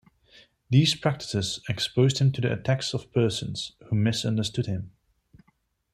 These practices exposed him to the attacks of persons who misunderstood him.